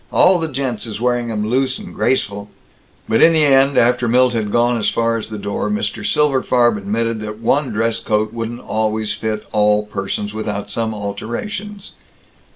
All the gents is wearing 'em loose and graceful." But in the end, after Milt had gone as far as the door, Mr. Silberfarb admitted that one dress coat wouldn't always fit all persons without some alterations.